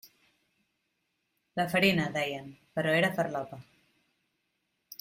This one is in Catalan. La farina, deien, però era farlopa.